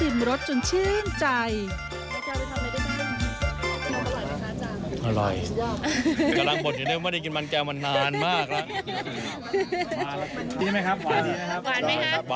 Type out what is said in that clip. มันไม่หวานเยอะ